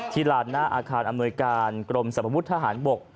ที่หลานหน้าอาคารอำนวยการกรมสมบบุตรทหารบก